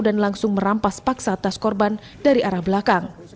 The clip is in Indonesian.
dan langsung merampas paksa tas korban dari arah belakang